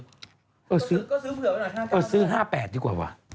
ก็ซื้อผิวหน่อย๕๘ประกอบ๕บาทเออซื้อ๕๘ดีกว่าวะ